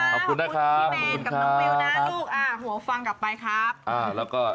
ขอบคุณนะคุณพี่แมนกับน้องวิวนะลูกอ่าหัวฟังกลับไปครับอ่าแล้วก็